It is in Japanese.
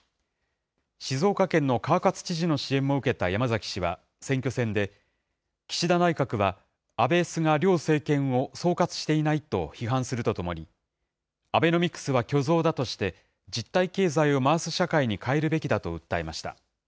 静岡県の川勝知事の支援も受けた山崎氏は選挙戦で、岸田内閣は安倍・菅両政権を総括していないと批判するとともに、アベノミクスは虚像だとして、実体経済を回す社会に変えるべきだと訴えました。